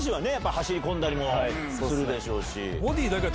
走り込んだりもするでしょうし。